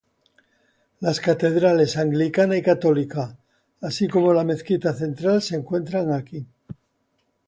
Las catedrales anglicana y católica, así como la Mezquita Central se encuentran aquí.